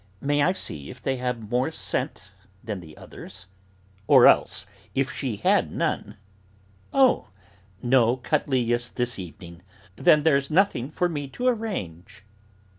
May I see if they have more scent than the others?" Or else, if she had none: "Oh! no cattleyas this evening; then there's nothing for me to arrange."